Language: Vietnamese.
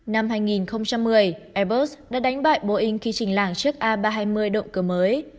năm hai nghìn một mươi airbus đã đánh bại boeing khi trình làng chiếc a ba trăm hai mươi động cơ mới